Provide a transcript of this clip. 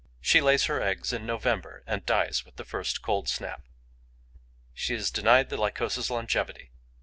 She lays her eggs in November and dies with the first cold snap. She is denied the Lycosa's longevity.